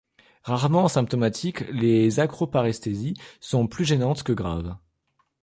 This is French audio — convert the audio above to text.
Rarement symptomatiques les acroparesthésies sont plus gênantes que graves.